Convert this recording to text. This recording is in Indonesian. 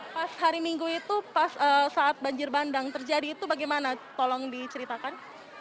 pas hari minggu itu pas saat banjir bandang terjadi itu bagaimana tolong diceritakan